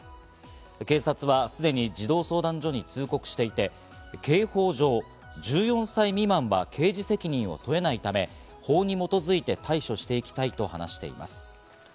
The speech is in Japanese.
警察は既に児童相談所に通告していて、刑法上、１４歳未満は刑事責任を問えないため、法に基づいて対処していきたいと話しています。